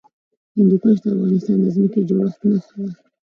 هندوکش د افغانستان د ځمکې د جوړښت نښه ده.